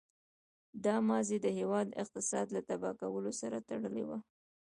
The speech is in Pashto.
دا ماضي د هېواد اقتصاد له تباه کولو سره تړلې وه.